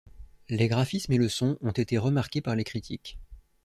Les graphismes et le son ont été remarqués par les critiques.